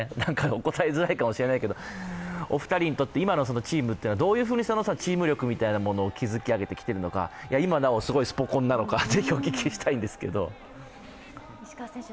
お答えづらいかもしれないけどお二人にとって今のチームというのは、どうやってチーム力というのは築き上げてきているのか、今なおすごいスポ根なのかぜひお聞きしたいんですけど。